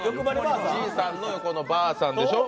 じいさんの横のばあさんでしょ